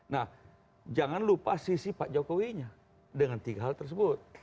nah jangan lupa sisi pak jokowinya dengan tiga hal tersebut